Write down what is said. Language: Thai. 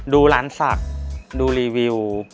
ดูร้านสักดูรีวิว